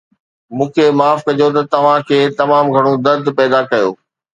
مون کي معاف ڪجو ته توهان کي تمام گهڻو درد پيدا ڪيو